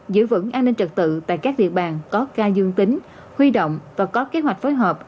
giữ vững an ninh trật tự tại các địa bàn có ca dương tính huy động và có kế hoạch phối hợp